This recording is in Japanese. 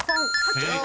［正解。